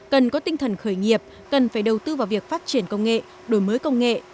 cần có tinh thần khởi nghiệp cần phải đầu tư vào việc phát triển công nghệ đổi mới công nghệ